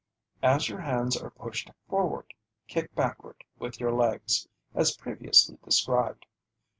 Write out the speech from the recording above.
As your hands are pushed forward, kick backward with your legs, as previously described.